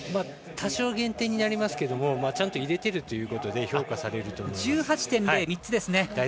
多少減点になりますけどもちゃんと入れているということで１８．０、３つですね。